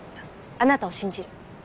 あなたを信じる。